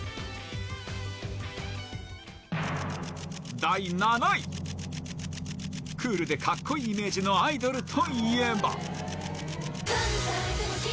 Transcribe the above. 第７位、クールでかっこいいイメージのアイドルといえば。